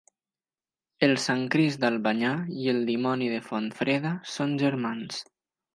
El sant Crist d'Albanyà i el dimoni de Fontfreda són germans.